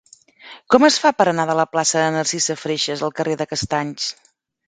Com es fa per anar de la plaça de Narcisa Freixas al carrer de Castanys?